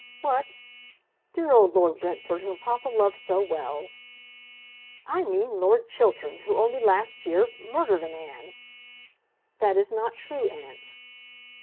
"What; dear old Lord Brentford, whom papa loved so well!" "I mean Lord Chiltern, who, only last year, murdered a man!" "That is not true, aunt."